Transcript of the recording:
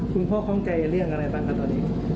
คุณพ่อเข้าใจเรื่องอะไรบ้างครับตอนนี้